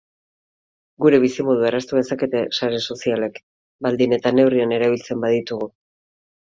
Gure bizimodua erraztu dezakete sare sozialek, baldin eta neurrian erabiltzen baditugu.